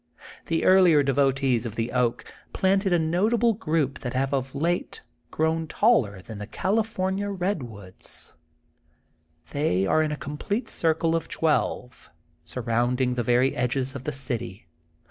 The earlier devotees of the oak, planted a notable group that have of late grown taller than the California redwoods. THE GOLDEN BOOK OF SP&INOFIELD 28 They are in a complete circle of twelve, sur rounding the very edges of the city.